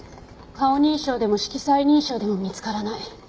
顔認証でも色彩認証でも見つからない。